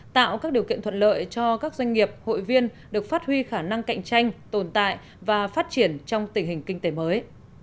tạo các điều kiện thuận lợi cho các doanh nghiệp hội viên được phát huy khả năng cạnh tranh tồn tại và phát triển trong tình hình kinh tế mới